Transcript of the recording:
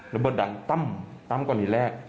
ระเบิดดังตั้มก่อนทีแรก